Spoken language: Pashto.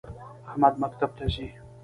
احمد مکتب ته ځی